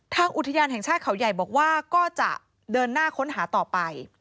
อุทยานแห่งชาติเขาใหญ่บอกว่าก็จะเดินหน้าค้นหาต่อไป